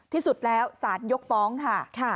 ที่สุดแล้วสารยกฟ้องค่ะ